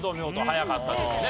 早かったですね。